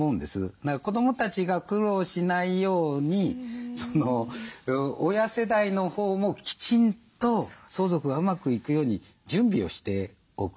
だから子どもたちが苦労しないように親世代のほうもきちんと相続がうまくいくように準備をしておく。